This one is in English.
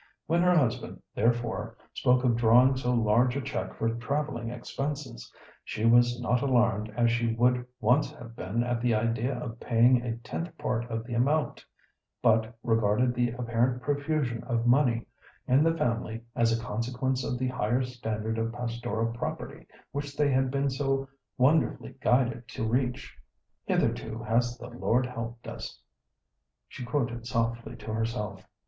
When her husband, therefore, spoke of drawing so large a cheque for travelling expenses, she was not alarmed as she would once have been at the idea of paying a tenth part of the amount, but regarded the apparent profusion of money in the family as a consequence of the higher standard of pastoral property which they had been so wonderfully guided to reach. "Hitherto has the Lord helped us," she quoted softly to herself.